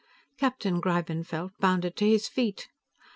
Captain Greibenfeld bounded to his feet.